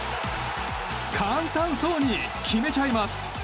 簡単そうに決めちゃいます。